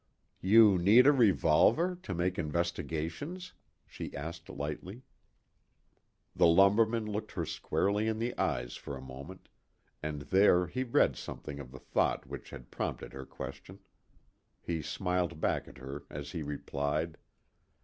"You need a revolver to make investigations?" she asked lightly. The lumberman looked her squarely in the eyes for a moment, and there he read something of the thought which had prompted her question. He smiled back at her as he replied.